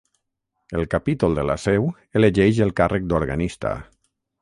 El Capítol de la Seu elegeix el càrrec d'Organista.